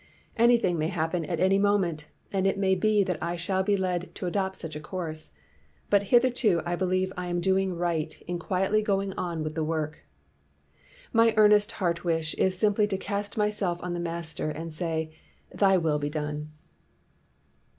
Anything may happen at any mo ment, and it may be that I shall be led to adopt such a course; but hitherto I believe 253 WHITE MAN OF WORK I am doing right in quietly going on with the work. My earnest heart wish is simply to cast myself on the Master, and say, ' Thy will be done!'